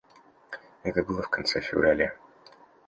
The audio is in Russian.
Это было в конце февраля.